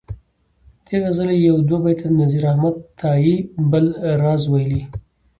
دې غزلي یو دوه بیته نذیر احمد تائي بل راز ویلي.